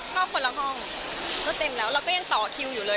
เข้าคนละห้องก็เต็มแล้วเราก็ยังต่อคิวอยู่เลย